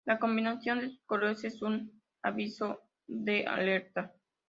La combinación de sus colores es un aviso de alerta.